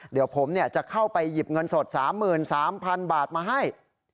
เดี๋ยวผมจะเข้าไปหยิบเงินสด๓๓๐๐๐บาทมาให้